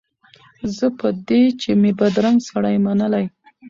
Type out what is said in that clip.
زه په دې چي مي بدرنګ سړی منلی